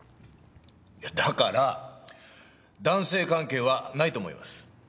だから男性関係はないと思います。